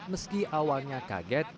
meski awalnya kaget